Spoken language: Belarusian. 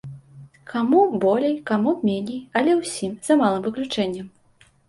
Каму болей, каму меней, але ўсім, за малым выключэннем.